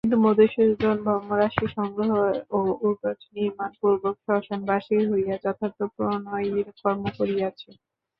কিন্তু মধুসূদন ভস্মরাশি সংগ্রহ ও উটজ নির্মাণপূর্বক শ্মশানবাসী হইয়া যথার্থ প্রণয়ীর কর্ম করিয়াছে।